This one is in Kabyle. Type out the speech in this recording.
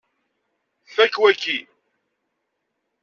Fakk waki!